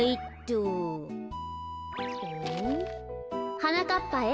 「はなかっぱへ。